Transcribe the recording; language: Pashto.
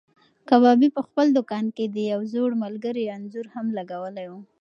کبابي په خپل دوکان کې د یو زوړ ملګري انځور هم لګولی و.